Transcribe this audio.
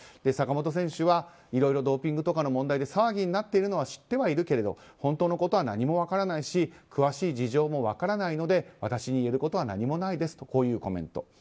坂本選手はいろいろドーピングとかの問題で騒ぎになっているのは知ってはいるけれど本当のことは何も分からないし詳しい事情も分からないので私に言えることは何もないですというコメント。